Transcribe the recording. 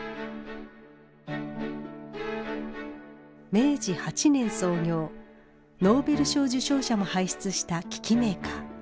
明治８年創業ノーベル賞受賞者も輩出した機器メーカー。